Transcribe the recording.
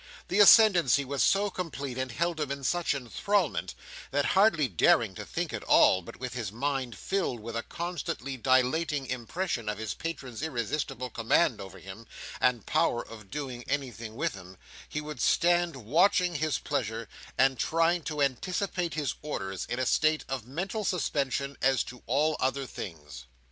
The ascendancy was so complete, and held him in such enthralment, that, hardly daring to think at all, but with his mind filled with a constantly dilating impression of his patron's irresistible command over him, and power of doing anything with him, he would stand watching his pleasure, and trying to anticipate his orders, in a state of mental suspension, as to all other things.